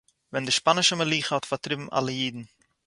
ווען די שפּאַנישע מלוכה האָט פאַרטריבן אַלע אידן